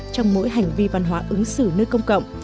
trong mỗi hành vi văn hóa ứng xử nơi công cộng